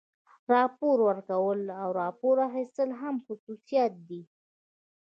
راپور ورکول او راپور اخیستل هم خصوصیات دي.